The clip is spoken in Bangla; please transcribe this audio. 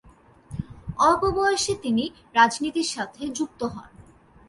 অল্প বয়সেই তিনি রাজনীতির সাথে যুক্ত হন।